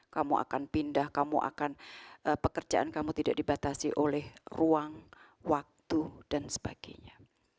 kamu akan pindah kamu akan pekerjaan kamu tidak dibatasi oleh ruang waktu dan sebagainya